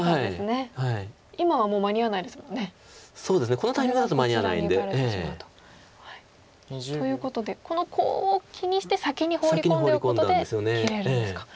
このタイミングだと間に合わないんで。ということでこのコウを気にして先にホウリ込んでおくことで切れるんですか。